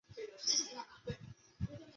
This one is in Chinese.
现在还有人会买报纸吗？